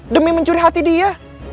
demi mencuri hati dia